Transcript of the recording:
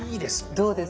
どうですか？